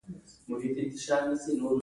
دا یوه علمي او ښوونیزه تخصصي جلسه ده.